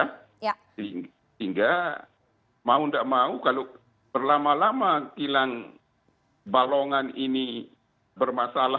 sehingga mau tidak mau kalau berlama lama kilang balongan ini bermasalah